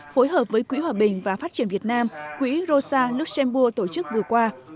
phối hợp với quỹ hòa bình và phát triển việt nam quỹ rosa luxembourg tổ chức vừa qua